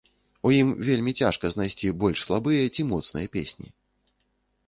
У ім вельмі цяжка знайсці больш слабыя, ці моцныя песні.